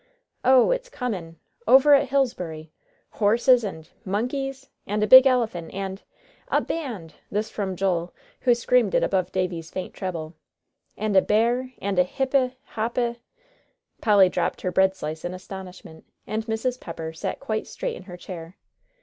"Oh, it's comin'!" "Over at Hillsbury " "Horses and " "Monkeys " "And a big elephant and " "A band " this from Joel, who screamed it above Davie's faint treble. "And a bear, and a hippi hoppi " Polly dropped her bread slice in astonishment, and Mrs. Pepper sat quite straight in her chair.